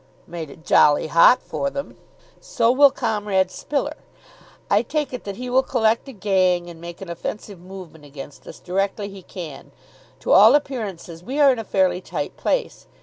"Made it jolly hot for them!" "So will Comrade Spiller. I take it that he will collect a gang and make an offensive movement against us directly he can. To all appearances we are in a fairly tight place.